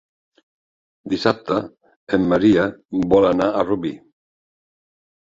Dissabte en Maria vol anar a Rubí.